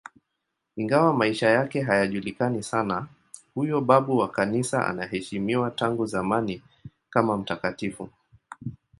Ingawa maisha yake hayajulikani sana, huyo babu wa Kanisa anaheshimiwa tangu zamani kama mtakatifu.